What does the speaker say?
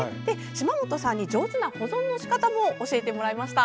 島本さんに上手な保存なし方も教えてもらいました。